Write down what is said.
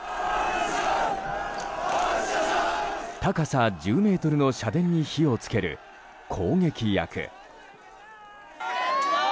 高さ１０ｍの社殿に火をつける攻撃役。